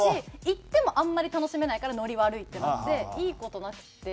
行ってもあんまり楽しめないからノリ悪いってなっていい事なくって。